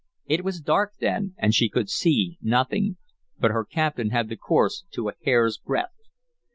It was dark then and she could see nothing; but her captain had the course to a hair's breadth.